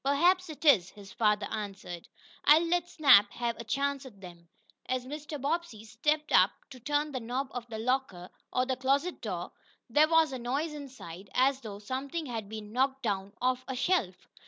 "Perhaps it is," his father answered. "I'll let Snap have a chance at them." As Mr. Bobbsey stepped up to turn the knob of the "locker," or closet door, there was a noise inside, as though something had been knocked down off a shelf.